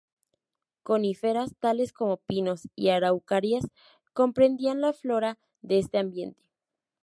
Coníferas tales como pinos y araucarias comprendían la flora de este ambiente.